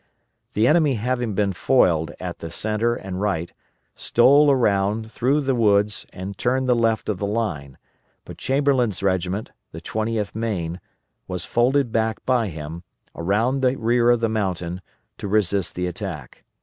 The enemy having been foiled at the centre and right, stole around through the woods and turned the left of the line; but Chamberlain's regiment the 20th Maine was folded back by him, around the rear of the mountain, to resist the attack.